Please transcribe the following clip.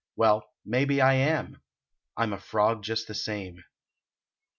Well, may be I am ; I m a frogjust the same.